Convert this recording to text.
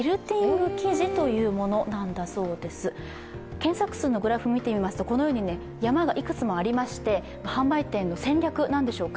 検索数のグラフ見ていきますと山がいくつかありまして販売店の戦略なんでしょうか。